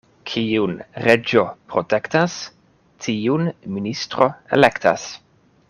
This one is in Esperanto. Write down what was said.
Kiun reĝo protektas, tiun ministro elektas.